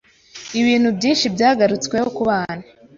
Ibintu byinshi byagarutsweho kubana